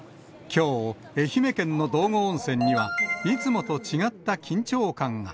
きょう、愛媛県の道後温泉には、いつもと違った緊張感が。